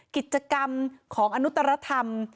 กิจกรรมของอนุตรธรรม